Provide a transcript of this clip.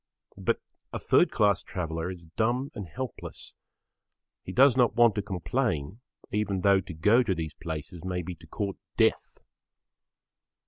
But a third class traveller is dumb and helpless. He does not want to complain even though to go to these places may be to court death.